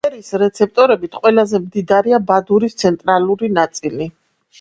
ფერის რეცეპტორებით ყველაზე მდიდარია ბადურის ცენტრალური ნაწილი.